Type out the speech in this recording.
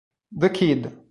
The Kid